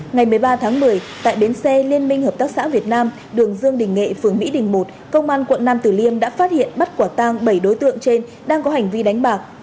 ngày một mươi ba tháng một mươi tại bến xe liên minh hợp tác xã việt nam đường dương đình nghệ phường mỹ đình một công an quận nam tử liêm đã phát hiện bắt quả tang bảy đối tượng trên đang có hành vi đánh bạc